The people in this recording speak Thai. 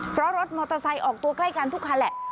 เพราะรถมอเตอร์ไซค์ออกตัวใกล้กันทุกคันแหละ